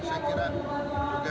saya kira juga harus diperhatikan